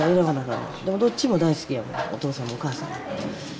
けどどっちも大好きやもんお父さんもお母さんも。